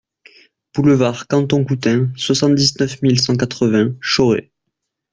Boulevard Canton Coutain, soixante-dix-neuf mille cent quatre-vingts Chauray